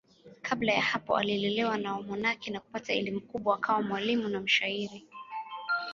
Kabla ya hapo alilelewa na wamonaki na kupata elimu kubwa akawa mwalimu na mshairi.